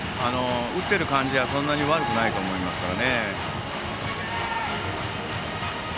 打っている感じはそんなに悪くないと思いますから。